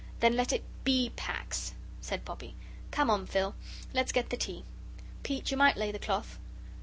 "Then let it BE Pax," said Bobbie. "Come on, Phil, let's get the tea. Pete, you might lay the cloth."